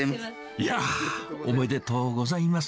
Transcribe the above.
いやー、おめでとうございます。